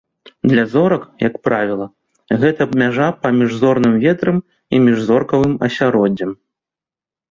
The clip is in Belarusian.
Для зорак, як правіла, гэта мяжа паміж зорным ветрам і міжзоркавым асяроддзем.